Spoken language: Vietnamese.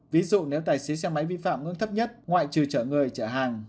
ví dụ nếu tài xế xe máy vi phạm ngưỡng thấp nhất ngoại trừ chở người chở hàng